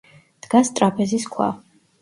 დგას ტრაპეზის ქვა.